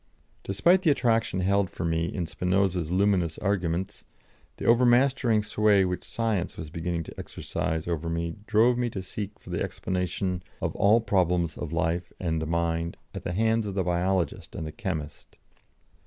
Despite the attraction held for me in Spinoza's luminous arguments, the over mastering sway which Science was beginning to exercise over me drove me to seek for the explanation of all problems of life and mind at the hands of the biologist and the chemist.